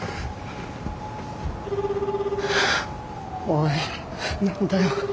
☎おい何だよ。